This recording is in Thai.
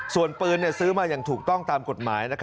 ส่วนปืนซื้อมาอย่างถูกต้องตามกฎหมาย